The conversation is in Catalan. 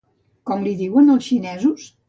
Com li diuen els xinesos?